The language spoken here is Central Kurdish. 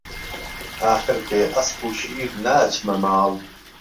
ئاخر بێ ئهسپ و شير ناچمه ماڵ